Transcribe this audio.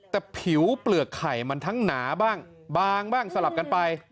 แต่ผิวเปลือกไข่มันทั้งหนาบ้างบางบ้างสลับกันไป